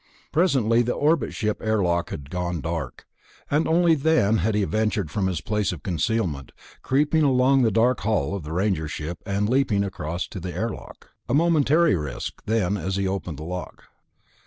Presently the orbit ship airlock had gone dark, and only then had he ventured from his place of concealment, creeping along the dark hull of the Ranger ship and leaping across to the airlock. A momentary risk, then, as he opened the lock.